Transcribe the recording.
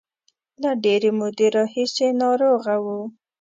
له ډېرې مودې راهیسې ناروغه و.